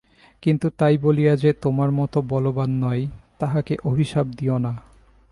কিন্তু তাই বলিয়া যে তোমার মত বলবান নয়, তাহাকে অভিশাপ দিও না।